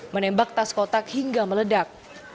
menembak tas kotak hingga meledak